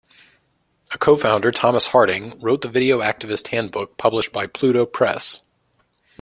A co-founder, Thomas Harding, wrote the video activist handbook published by Pluto Press.